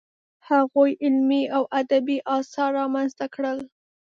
هغوی علمي او ادبي اثار رامنځته کړل.